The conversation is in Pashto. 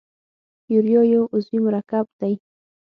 یوریا یو عضوي مرکب دی.